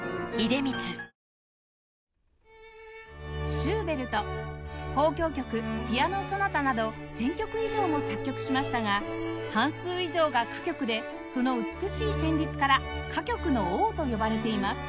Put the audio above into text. シューベルト交響曲ピアノ・ソナタなど１０００曲以上も作曲しましたが半数以上が歌曲でその美しい旋律から歌曲の王と呼ばれています